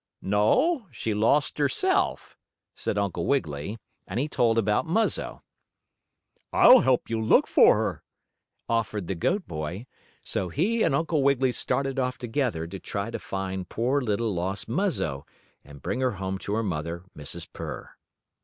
"No, she lost herself," said Uncle Wiggily, and he told about Muzzo. "I'll help you look for her," offered the goat boy, so he and Uncle Wiggily started off together to try to find poor little lost Muzzo, and bring her home to her mother, Mrs. Purr.